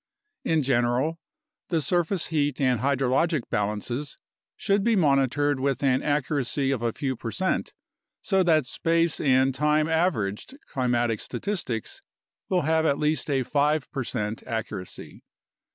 In general, the surface heat and hydrologic balances should be monitored with an accuracy of a few percent, so that space and time averaged climatic statistics will have at least a 5 percent accuracy.